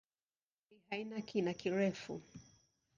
Ghuba ya Uthai haina kina kirefu.